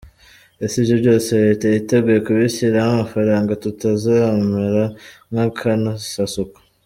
Ese ibyo byose Leta yiteguye kubishyiramo amafaranga? Tutazamera nk’akanozasuku.